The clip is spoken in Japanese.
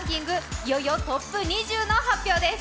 いよいよトップ２０の発表です。